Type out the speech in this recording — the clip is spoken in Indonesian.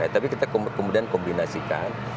tapi kita kemudian kombinasikan